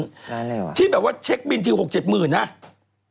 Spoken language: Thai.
ล้านแล้วที่แบบว่าเช็คบินที๖๗หมื่นนะ